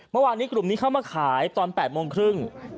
เมื่อวานนี้กลุ่มนี้เข้ามาขายตอน๘โมงครึ่ง